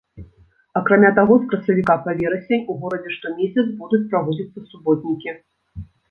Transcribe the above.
Акрамя таго з красавіка па верасень у горадзе штомесяц будуць праводзіцца суботнікі.